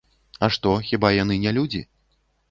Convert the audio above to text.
А што, хіба яны не людзі?